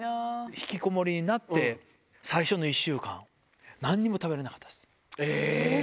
引きこもりになって、最初の１週間、なんにも食べられなかっえー？